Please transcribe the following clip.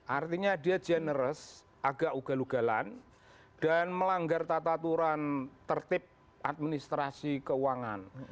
artinya dia generous agak ugal ugalan dan melanggar tata aturan tertib administrasi keuangan